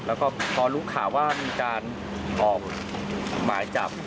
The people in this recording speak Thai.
แล้วก็พอรู้ข่าวว่ามีการออกหมายจับ